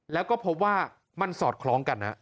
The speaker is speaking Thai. แล้วก็พบว่ามันสอดคล้องกันนะ